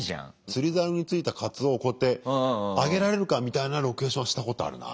釣りざおについたカツオをこうやって上げられるかみたいなロケーションはしたことあるな。